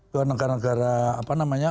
ke negara negara apa namanya